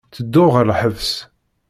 Tedduɣ ɣer lḥebs.